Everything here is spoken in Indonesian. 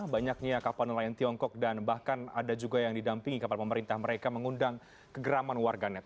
banyaknya kapal nelayan tiongkok dan bahkan ada juga yang didampingi kapal pemerintah mereka mengundang kegeraman warganet